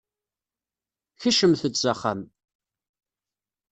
Kecmet-d s axxam.